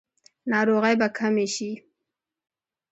ناروغۍ به کمې شي؟